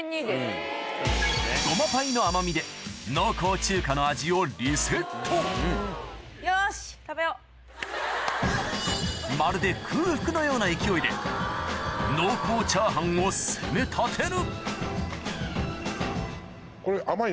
ごまパイの甘みで濃厚中華の味をリセットまるで空腹のような勢いで濃厚チャーハンを攻め立てる